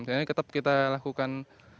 jadi tetap kita lakukan